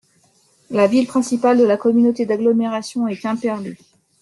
La ville principale de la communauté d'agglomération est Quimperlé.